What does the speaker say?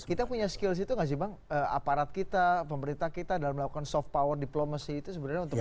kita punya skills itu nggak sih bang aparat kita pemerintah kita dalam melakukan soft power diplomacy itu sebenarnya untuk apa